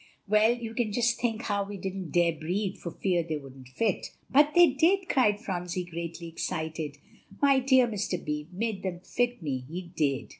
Well, you can just think how we didn't dare breathe, for fear they wouldn't fit." "But they did," cried Phronsie greatly excited; "my dear Mr. Beebe made them fit me, he did."